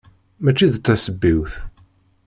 Mačči d tasebbiwt.